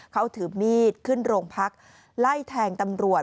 เขาถือมีดขึ้นโรงพักไล่แทงตำรวจ